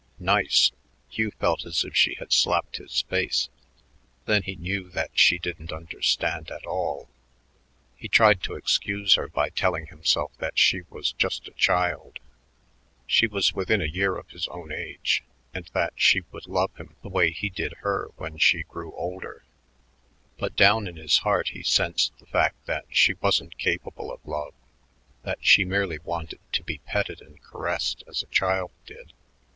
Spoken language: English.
Nice! Hugh felt as if she had slapped his face. Then he knew that she didn't understand at all. He tried to excuse her by telling himself that she was just a child she was within a year of his own age and that she would love him the way he did her when she grew older; but down in his heart he sensed the fact that she wasn't capable of love, that she merely wanted to be petted and caressed as a child did.